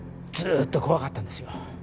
ずっと怖かったんですよ。